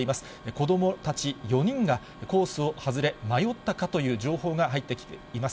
子どもたち４人がコースを外れ、迷ったかという情報が入ってきています。